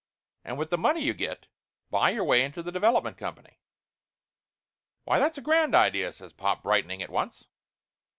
And with the money you get, buy your way into the development company." "Why, that's a grand idea!" says pop, brightening at once.